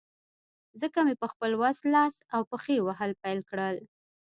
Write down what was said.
ځکه مې په خپل وس، لاس او پښې وهل پیل کړل.